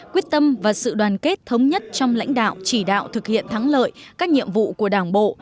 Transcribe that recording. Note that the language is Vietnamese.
quyết tâm và sự đoàn kết thống nhất trong lãnh đạo chỉ đạo thực hiện thắng lợi các nhiệm vụ của đảng bộ